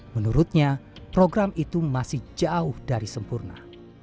menurutnya program itu masih jauh dari sempurna